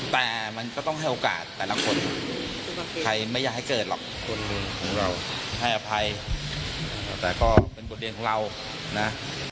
แต่มันก็ต้องให้โอกาสแต่ละคนไทยไม่อยากให้เกิดหรอกคนหนึ่งของเราให้อภัยแต่ก็เป็นบทเรียนของเรานะ